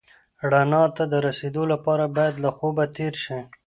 رڼا ته د رسېدو لپاره باید له خوبه تېر شې.